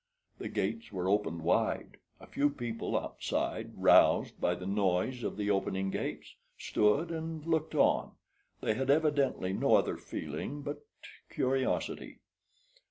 The gates were opened wide. A few people outside, roused by the noise of the opening gates, stood and looked on. They had evidently no other feeling but curiosity.